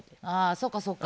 そうかそうか。